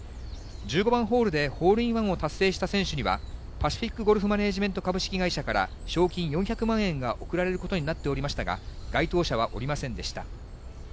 １５番ホールでホールインワンを達成した選手には、パシフィックゴルフマネージメント株式会社から、賞金４００万円が贈られることになっておりましたが、該当者はおりませんでした。